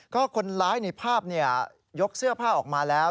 ก็คนร้ายในภาพยกเสื้อผ้าออกมาแล้ว